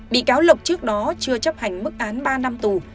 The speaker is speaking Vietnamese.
bị cáo lộc trước đó chưa chấp hành mức án ba năm tù